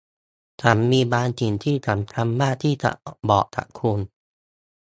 ฉันมีบางสิ่งที่สำคัญมากที่จะบอกกับคุณ